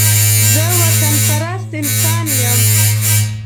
زه وطن پرست انسان يم